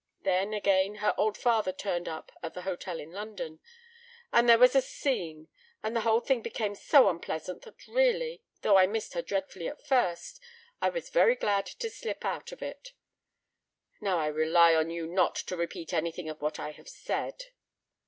Then, again, her old father turned up at the hotel in London, and there was a scene, and the whole thing became so unpleasant that really—though I missed her dreadfully at first—I was very glad to slip out of it. Now, I rely upon you not to repeat anything of what I have said."